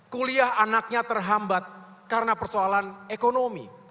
kuliah anaknya terhambat karena persoalan ekonomi